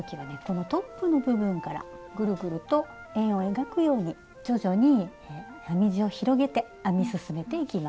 このトップの部分からグルグルと円を描くように徐々に編み地を広げて編み進めていきます。